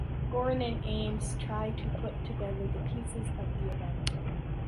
Goren and Eames try to put together the pieces of the event.